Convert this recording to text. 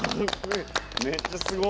めっちゃすごい！